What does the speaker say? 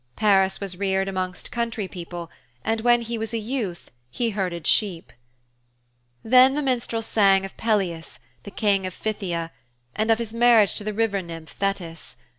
Paris was reared amongst country people, and when he was a youth he herded sheep. Then the minstrel sang of Peleus, the King of Phthia, and of his marriage to the river nymph, Thetis.